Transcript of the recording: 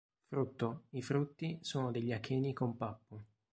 Frutto: i frutti sono degli acheni con pappo.